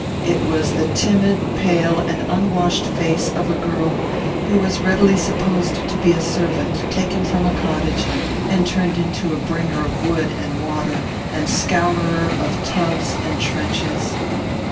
It was the timid, pale, and unwashed face of a girl who was readily supposed to be a servant, taken from a cottage, and turned into a bringer of wood and water and a scourer of tubs and trenches.